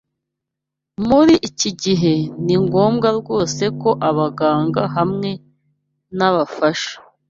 Muri iki gihe, ni ngombwa rwose ko abaganga hamwe n’abafasha